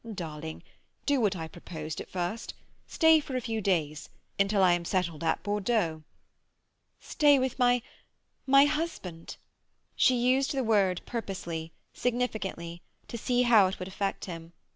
"Darling—do what I proposed at first. Stay for a few days, until I am settled at Bordeaux." "Stay with my—my husband?" She used the word purposely, significantly, to see how it would affect him.